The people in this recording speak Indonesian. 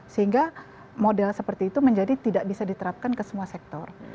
sehingga model seperti itu menjadi tidak bisa diterapkan ke semua sektor